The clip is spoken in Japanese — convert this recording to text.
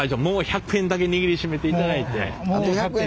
もう１００円だけ握りしめていただいて。